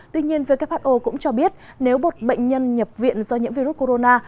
tuy nhiên who cũng cho biết nếu một bệnh nhân nhập viện do nhiễm virus corona